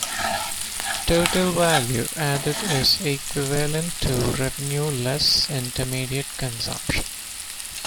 Total value added is equivalent to revenue less intermediate consumption.